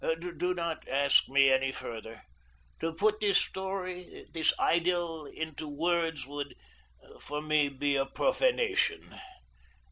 Do not ask me any further. To put this story, this idyl, into words, would, for me, be a profanation.